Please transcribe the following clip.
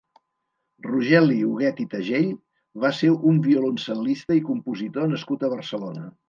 Rogel·li Huguet i Tagell va ser un violoncel·lista i compositor nascut a Barcelona.